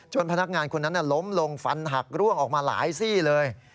พนักงานคนนั้นล้มลงฟันหักร่วงออกมาหลายซี่เลย